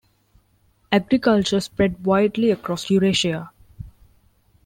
Agriculture spread widely across Eurasia.